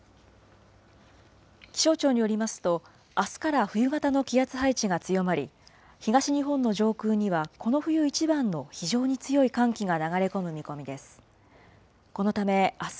気象庁によりますと、あすから冬型の気圧配置が強まり、東日本の上空にはこの冬一番の非常に強い寒気が流れ込む見込みです。